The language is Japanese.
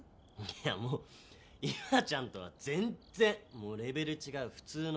いやもう伊和ちゃんとは全然レベル違う普通の子。